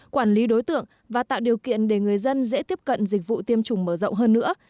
quản lý đối tượng và tạo điều kiện để người dân dễ tiếp cận dịch vụ tiêm chủng mở rộng hơn nữa